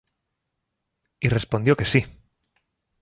Y respondió que sí.